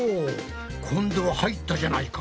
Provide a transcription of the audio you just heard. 今度は入ったじゃないか！